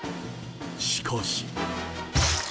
しかし。